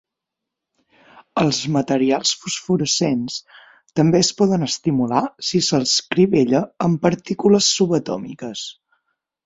Els materials fosforescents també es poden estimular si se'ls crivella amb partícules subatòmiques.